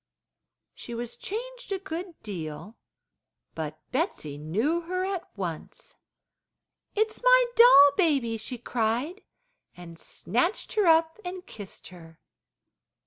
She was changed a good deal, but Betsey knew her at once. "It's my doll baby!" she cried, and snatched her up and kissed her.